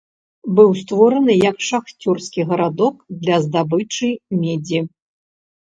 Быў створаны як шахцёрскі гарадок для здабычы медзі.